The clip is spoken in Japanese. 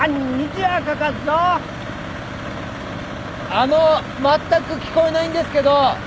あのまったく聞こえないんですけど！